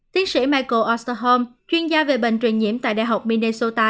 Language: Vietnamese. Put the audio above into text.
tiến sĩ michael osterholm chuyên gia về bệnh truyền nhiễm tại đại học minnesota